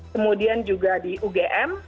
kemudian juga di ugm